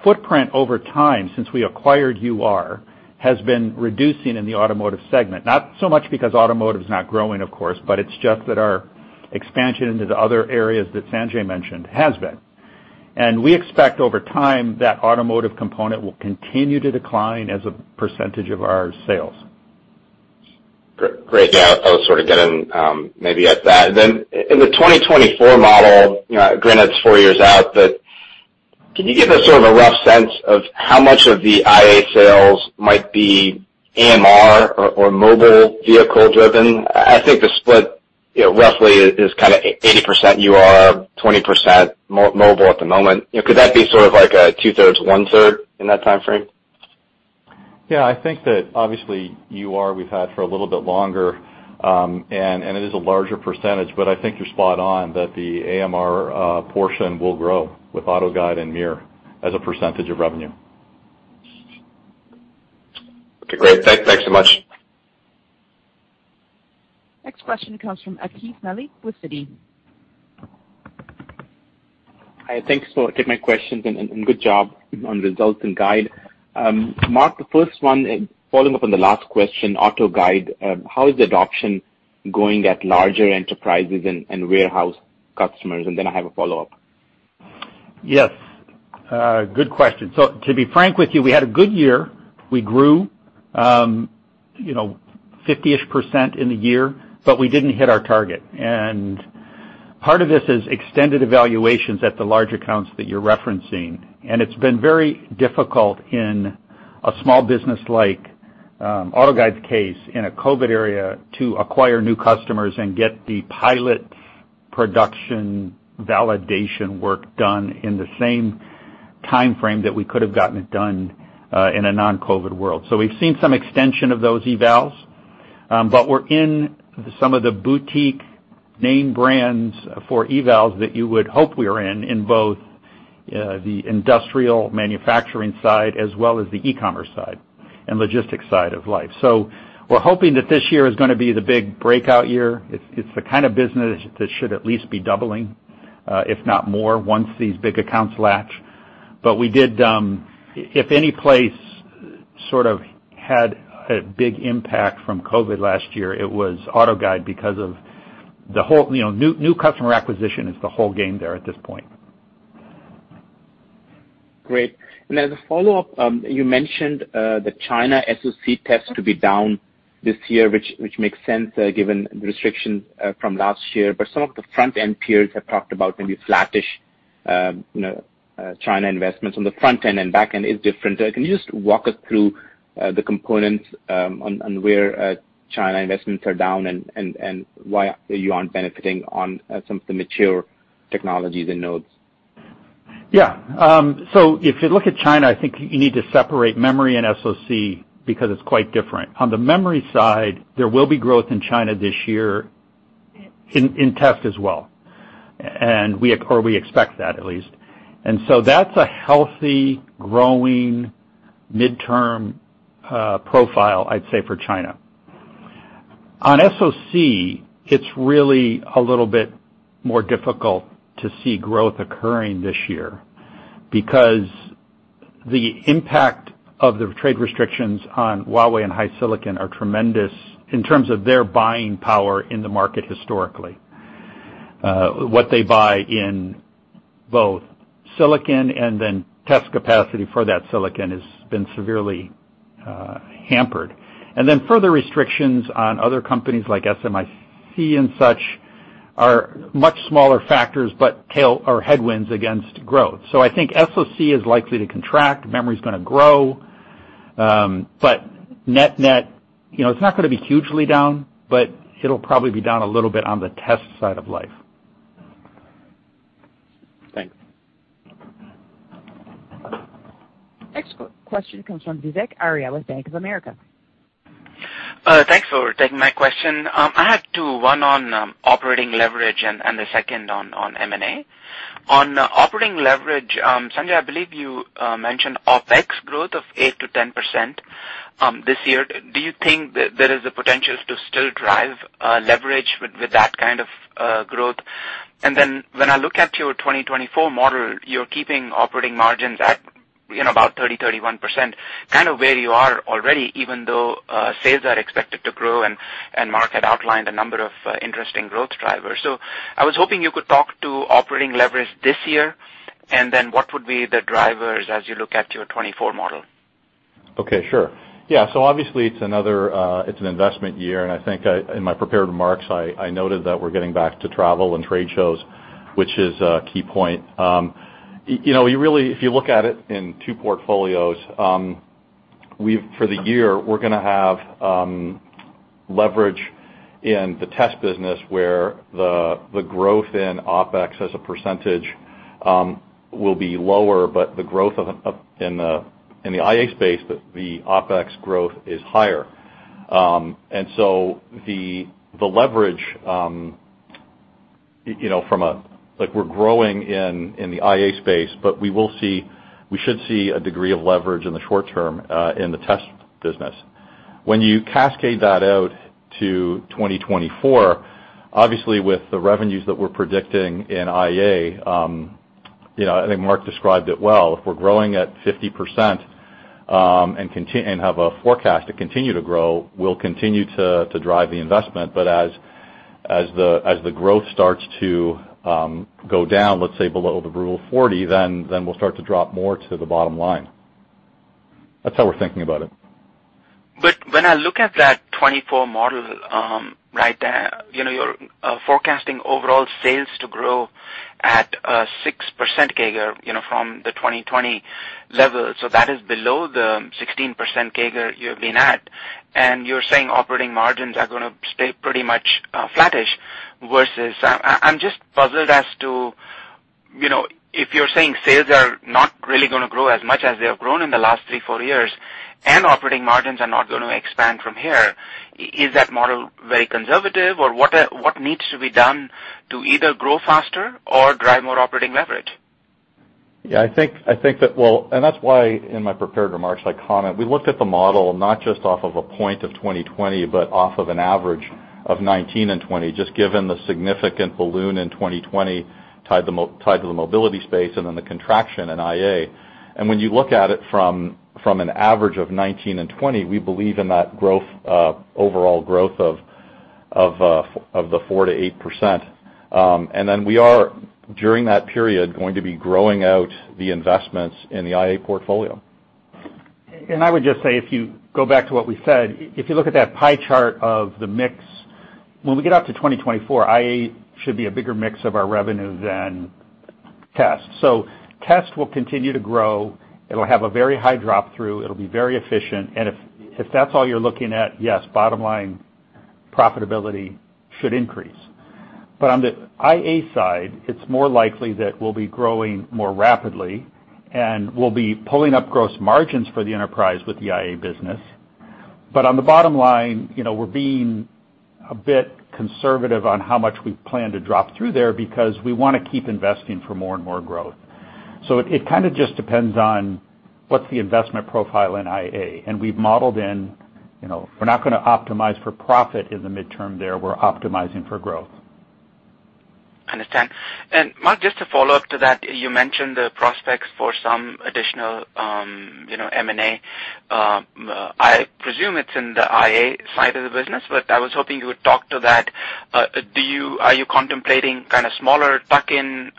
footprint over time, since we acquired UR, has been reducing in the automotive segment. Not so much because automotive's not growing, of course, but it's just that our expansion into the other areas that Sanjay mentioned has been. We expect over time, that automotive component will continue to decline as a percentage of our sales. Great. Yeah, I was sort of getting maybe at that. In the 2024 model, granted it's four years out, but can you give us sort of a rough sense of how much of the IA sales might be AMR or mobile vehicle-driven? I think the split roughly is kind of 80% UR, 20% mobile at the moment. Could that be sort of like a two-thirds, one-third in that timeframe? I think that obviously UR we've had for a little bit longer, and it is a larger percentage, but I think you're spot on that the AMR portion will grow with AutoGuide and MiR as a percentage of revenue. Great. Thanks so much. Next question comes from Atif Malik with Citi. Hi. Thanks for taking my questions and good job on results and guide. Mark, the first one, following up on the last question, AutoGuide, how is the adoption going at larger enterprises and warehouse customers? I have a follow-up. Yes. Good question. To be frank with you, we had a good year. We grew 50%-ish in the year, but we didn't hit our target. Part of this is extended evaluations at the large accounts that you're referencing. It's been very difficult in a small business like AutoGuide's case in a COVID era to acquire new customers and get the pilot production validation work done in the same timeframe that we could have gotten it done in a non-COVID world. We've seen some extension of those evals, but we're in some of the boutique name brands for evals that you would hope we are in both the industrial manufacturing side as well as the e-commerce side and logistics side of life. We're hoping that this year is going to be the big breakout year. It's the kind of business that should at least be doubling, if not more, once these big accounts latch. If any place sort of had a big impact from COVID last year, it was AutoGuide because of new customer acquisition is the whole game there at this point. Great. As a follow-up, you mentioned the China SoC test to be down this year, which makes sense given the restrictions from last year, but some of the front-end peers have talked about maybe flattish China investments on the front end and back end is different. Can you just walk us through the components and where China investments are down and why you aren't benefiting on some of the mature technologies and nodes? Yeah. If you look at China, I think you need to separate memory and SoC because it's quite different. On the memory side, there will be growth in China this year in test as well, or we expect that at least. That's a healthy, growing midterm profile, I'd say, for China. On SoC, it's really a little bit more difficult to see growth occurring this year because the impact of the trade restrictions on Huawei and HiSilicon are tremendous in terms of their buying power in the market historically. What they buy in both silicon and then test capacity for that silicon has been severely hampered. Further restrictions on other companies like SMIC and such are much smaller factors, but tail or headwinds against growth. I think SoC is likely to contract. Memory's going to grow. Net-net, it's not going to be hugely down, but it'll probably be down a little bit on the test side of life. Thanks. Next question comes from Vivek Arya with Bank of America. Thanks for taking my question. I have two, one on operating leverage and the second on M&A. On operating leverage, Sanjay, I believe you mentioned OPEX growth of 8%-10% this year. Do you think that there is the potential to still drive leverage with that kind of growth? When I look at your 2024 model, you're keeping operating margins at about 30%, 31%, kind of where you are already, even though sales are expected to grow and Mark had outlined a number of interesting growth drivers. I was hoping you could talk to operating leverage this year, and then what would be the drivers as you look at your 2024 model? Okay, sure. Obviously it's an investment year, and I think in my prepared remarks, I noted that we're getting back to travel and trade shows, which is a key point. If you look at it in two portfolios, for the year, we're going to have leverage in the test business where the growth in OPEX as a percentage will be lower, but the growth in the IA space, the OPEX growth is higher. The leverage, we're growing in the IA space, but we should see a degree of leverage in the short term in the test business. When you cascade that out to 2024, obviously with the revenues that we're predicting in IA, I think Mark described it well. If we're growing at 50% and have a forecast to continue to grow, we'll continue to drive the investment. As the growth starts to go down, let's say below the rule of 40, then we'll start to drop more to the bottom line. That's how we're thinking about it. When I look at that 2024 model, you're forecasting overall sales to grow at a 6% CAGR from the 2020 level. That is below the 16% CAGR you've been at, and you're saying operating margins are going to stay pretty much flattish. If you're saying sales are not really going to grow as much as they have grown in the last three, four years, and operating margins are not going to expand from here, is that model very conservative? What needs to be done to either grow faster or drive more operating leverage? Yeah. That's why in my prepared remarks, I comment, we looked at the model not just off of a point of 2020, but off of an average of 2019 and 2020, just given the significant balloon in 2020 tied to the mobility space and then the contraction in IA. When you look at it from an average of 2019 and 2020, we believe in that overall growth of the 4%-8%. Then we are, during that period, going to be growing out the investments in the IA portfolio. I would just say, if you go back to what we said, if you look at that pie chart of the mix, when we get out to 2024, IA should be a bigger mix of our revenue than test. Test will continue to grow. It'll have a very high drop through. It'll be very efficient. If that's all you're looking at, yes, bottom line profitability should increase. On the IA side, it's more likely that we'll be growing more rapidly, and we'll be pulling up gross margins for the enterprise with the IA business. On the bottom line, we're being a bit conservative on how much we plan to drop through there because we want to keep investing for more and more growth. It kind of just depends on what's the investment profile in IA. We've modeled in, we're not going to optimize for profit in the midterm there. We're optimizing for growth. Understand. Mark, just to follow up to that, you mentioned the prospects for some additional M&A. I presume it's in the IA side of the business, but I was hoping you would talk to that. Are you contemplating kind of smaller tuck-in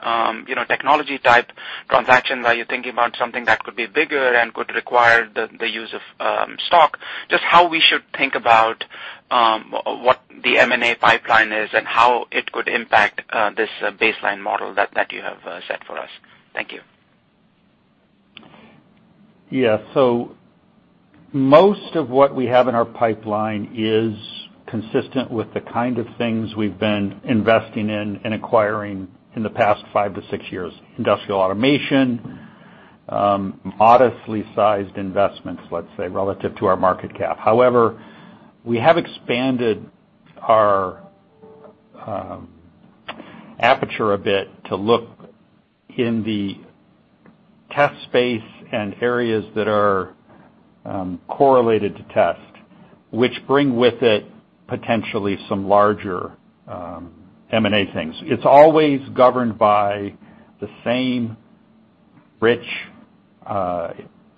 technology type transactions? Are you thinking about something that could be bigger and could require the use of stock? Just how we should think about what the M&A pipeline is and how it could impact this baseline model that you have set for us. Thank you. Yeah. Most of what we have in our pipeline is consistent with the kind of things we've been investing in and acquiring in the past five to six years. Industrial automation, modestly sized investments, let's say, relative to our market cap. However, we have expanded our aperture a bit to look in the test space and areas that are correlated to test, which bring with it potentially some larger M&A things. It's always governed by the same rich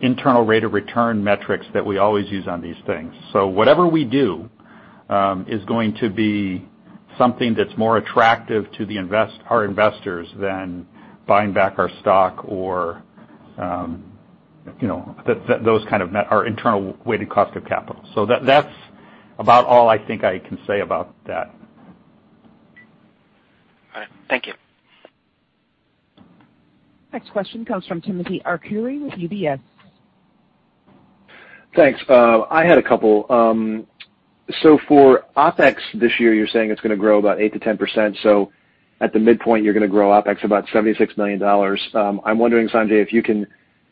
internal rate of return metrics that we always use on these things. Whatever we do is going to be something that's more attractive to our investors than buying back our stock or our internal weighted cost of capital. That's about all I think I can say about that. All right. Thank you. Next question comes from Timothy Arcuri with UBS. Thanks. I had a couple. For OpEx this year, you're saying it's going to grow about 8%-10%. At the midpoint, you're going to grow OpEx about $76 million. I'm wondering, Sanjay, if you can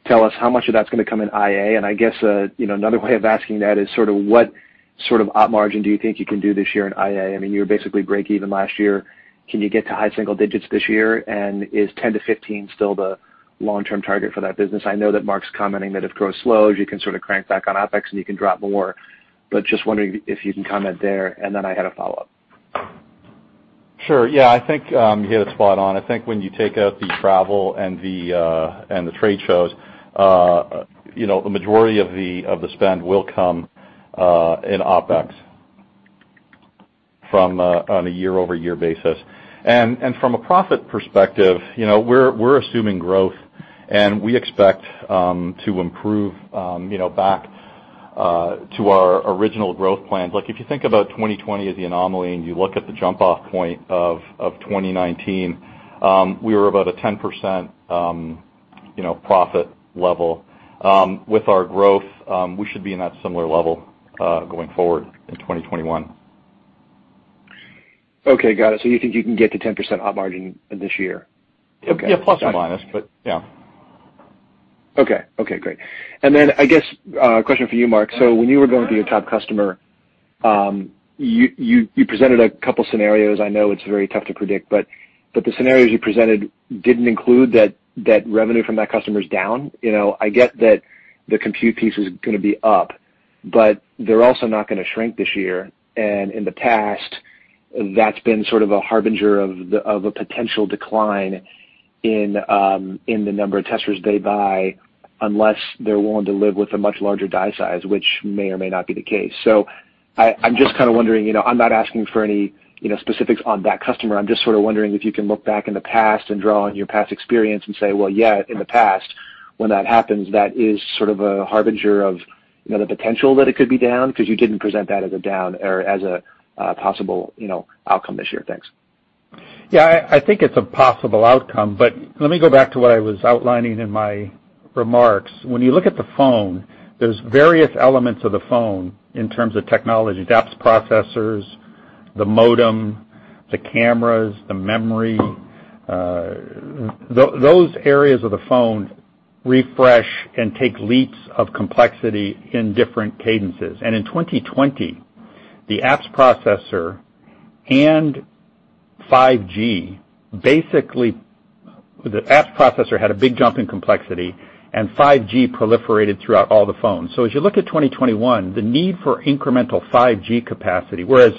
tell us how much of that's going to come in IA, and I guess, another way of asking that is sort of what sort of op margin do you think you can do this year in IA? You were basically breakeven last year. Can you get to high single digits this year, and is 10%-15% still the long-term target for that business? I know that Mark's commenting that if growth slows, you can sort of crank back on OpEx and you can drop more, but just wondering if you can comment there, and then I had a follow-up. Sure. Yeah. I think you hit it spot on. I think when you take out the travel and the trade shows, the majority of the spend will come in OpEx on a year-over-year basis. From a profit perspective, we're assuming growth, and we expect to improve back to our original growth plan. If you think about 2020 as the anomaly, and you look at the jump-off point of 2019, we were about a 10% profit level. With our growth, we should be in that similar level going forward in 2021. Okay. Got it. You think you can get to 10% op margin this year? Yeah. plus and minus, yeah. Okay. Great. Then I guess a question for you, Mark. When you were going through your top customer, you presented a couple scenarios. I know it's very tough to predict, but the scenarios you presented didn't include that revenue from that customer is down. I get that the compute piece is going to be up, but they're also not going to shrink this year. In the past, that's been sort of a harbinger of a potential decline in the number of testers they buy, unless they're willing to live with a much larger die size, which may or may not be the case. I'm just kind of wondering, I'm not asking for any specifics on that customer. I'm just sort of wondering if you can look back in the past and draw on your past experience and say, well, yeah, in the past, when that happens, that is sort of a harbinger of the potential that it could be down, because you didn't present that as a down or as a possible outcome this year. Thanks. I think it's a possible outcome. Let me go back to what I was outlining in my remarks. When you look at the phone, there's various elements of the phone in terms of technology, apps processors, the modem, the cameras, the memory, those areas of the phone refresh and take leaps of complexity in different cadences. In 2020, the apps processor and 5G, basically, the apps processor had a big jump in complexity, and 5G proliferated throughout all the phones. As you look at 2021, the need for incremental 5G capacity, whereas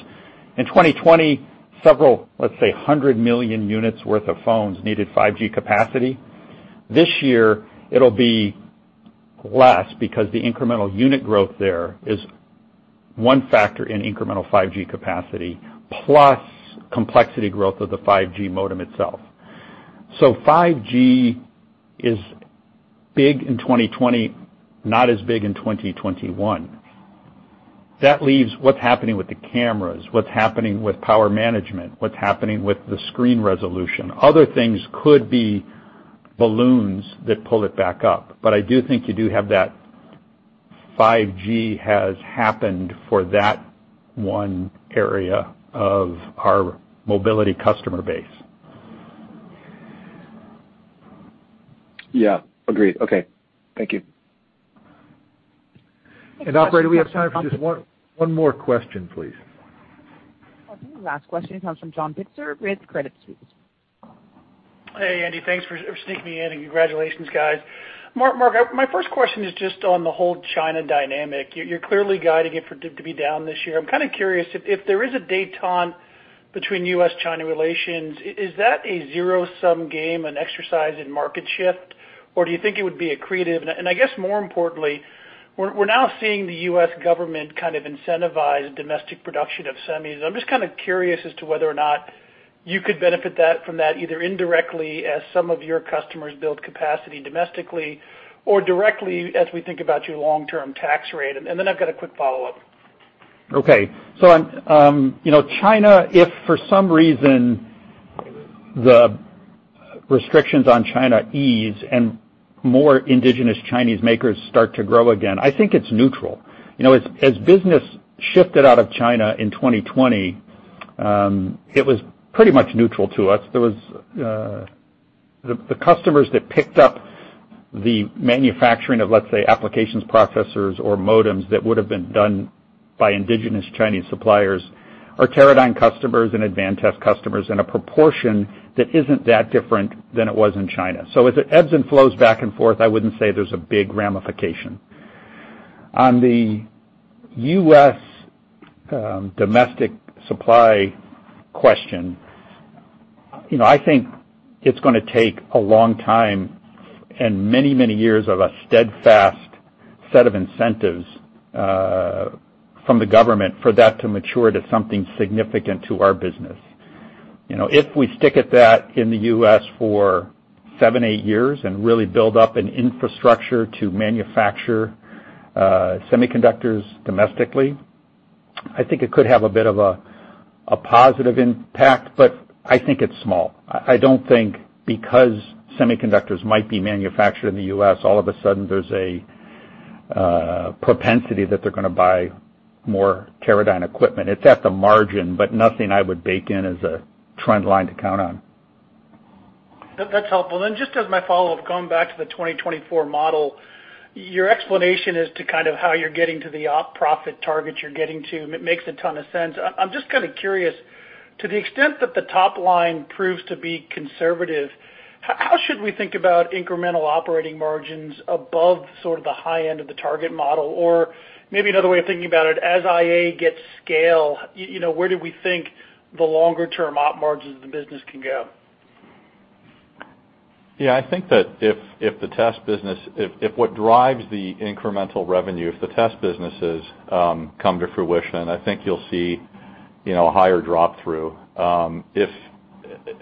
in 2020, several, let's say, 100 million units worth of phones needed 5G capacity. This year it'll be less because the incremental unit growth there is one factor in incremental 5G capacity, plus complexity growth of the 5G modem itself. 5G is big in 2020, not as big in 2021. That leaves what's happening with the cameras, what's happening with power management, what's happening with the screen resolution. Other things could be balloons that pull it back up. I do think you do have that 5G has happened for that one area of our mobility customer base. Yeah. Agreed. Okay. Thank you. Operator, we have time for just one more question, please. Okay. Last question comes from John Pitzer with Credit Suisse. Hey, Andy, thanks for sneaking me in. Congratulations, guys. Mark, my first question is just on the whole China dynamic. You're clearly guiding it to be down this year. I'm kind of curious, if there is a détente between U.S.-China relations, is that a zero-sum game, an exercise in market shift, or do you think it would be accretive? I guess more importantly, we're now seeing the U.S. government kind of incentivize domestic production of semis. I'm just kind of curious as to whether or not you could benefit from that, either indirectly, as some of your customers build capacity domestically, or directly as we think about your long-term tax rate. I've got a quick follow-up. Okay. China, if for some reason the restrictions on China ease and more indigenous Chinese makers start to grow again, I think it's neutral. As business shifted out of China in 2020, it was pretty much neutral to us. The customers that picked up the manufacturing of, let's say, applications processors or modems that would've been done by indigenous Chinese suppliers are Teradyne customers and Advantest customers in a proportion that isn't that different than it was in China. As it ebbs and flows back and forth, I wouldn't say there's a big ramification. On the U.S. domestic supply question, I think it's going to take a long time and many years of a steadfast set of incentives from the government for that to mature to something significant to our business. If we stick at that in the U.S. for seven, eight years and really build up an infrastructure to manufacture semiconductors domestically, I think it could have a bit of a positive impact, but I think it's small. I don't think because semiconductors might be manufactured in the U.S., all of a sudden there's a propensity that they're going to buy more Teradyne equipment. It's at the margin, but nothing I would bake in as a trend line to count on. That's helpful. Just as my follow-up, going back to the 2024 model, your explanation as to kind of how you're getting to the op profit target you're getting to, makes a ton of sense. I'm just kind of curious, to the extent that the top line proves to be conservative, how should we think about incremental operating margins above sort of the high end of the target model? Or maybe another way of thinking about it, as IA gets scale, where do we think the longer-term op margins of the business can go? Yeah, I think that if what drives the incremental revenue of the test businesses come to fruition, I think you'll see a higher drop through.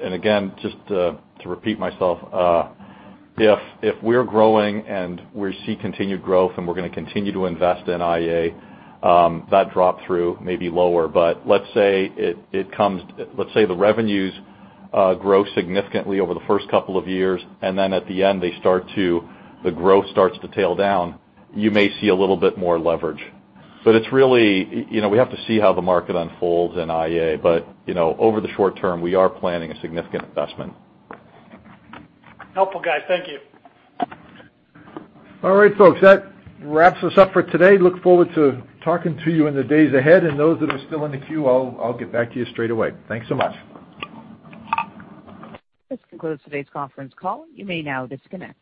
Again, just to repeat myself, if we're growing and we see continued growth and we're going to continue to invest in IA, that drop through may be lower. Let's say the revenues grow significantly over the first couple of years, and then at the end, the growth starts to tail down, you may see a little bit more leverage. We have to see how the market unfolds in IA. Over the short term, we are planning a significant investment. Helpful, guys. Thank you. All right, folks. That wraps us up for today. Look forward to talking to you in the days ahead. Those that are still in the queue, I'll get back to you straight away. Thanks so much. This concludes today's conference call. You may now disconnect.